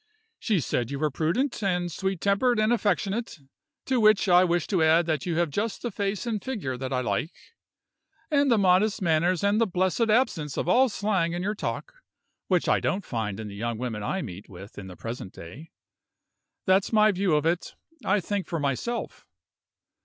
She said you were prudent, and sweet tempered, and affectionate; to which I wish to add that you have just the face and figure that I like, and the modest manners and the blessed absence of all slang in your talk, which I don't find in the young women I meet with in the present day. That's my view of it: I think for myself.